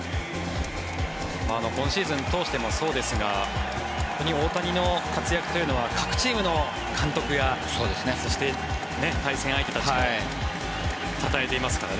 今シーズン通してもそうですが大谷の活躍というのは各チームの監督やそして対戦相手たちもたたえていますからね。